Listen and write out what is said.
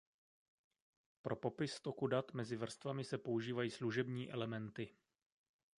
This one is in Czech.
Pro popis toku dat mezi vrstvami se používají služební elementy.